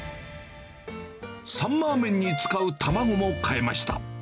サンマーメンに使う卵も変えました。